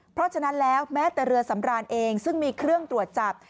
เพราะฉะนั้นแล้วแม้แต่เรือสำรานเองซึ่งมีเครื่องตรวจจับ